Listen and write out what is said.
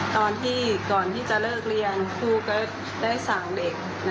ตอนที่ก่อนที่จะเลิกเรียนครูก็ได้สั่งเด็ก